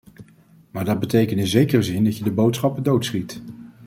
Maar dat betekent in zekere zin dat je de boodschapper doodschiet.